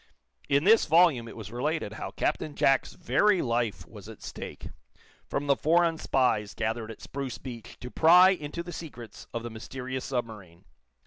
In this volume it was related how Captain Jack's very life was at stake, from the foreign spies gathered at Spruce Beach to pry into the secrets of the mysterious submarine.